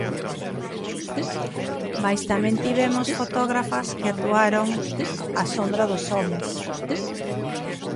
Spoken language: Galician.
Mais tamén tivemos fotógrafas que actuaron á sombra dos homes.